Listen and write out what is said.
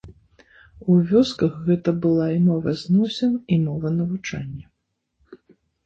У вёсках гэта была і мова зносін, і мова навучання.